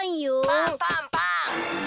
パンパンパン。